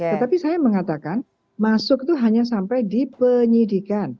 tetapi saya mengatakan masuk itu hanya sampai di penyidikan